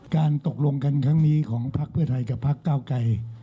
การตกลงกันครั้งนี้ของพักเพื่อไทยกับพักเก้าไกร